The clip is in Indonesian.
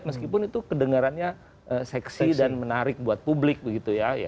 meskipun itu kedengarannya seksi dan menarik buat publik begitu ya